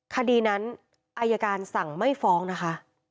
คดีนั้นอายการสั่งไม่ฟ้องนะคะ